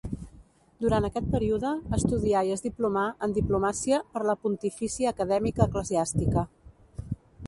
Durant aquest període estudià i es diplomà en diplomàcia per la Pontifícia Acadèmia Eclesiàstica.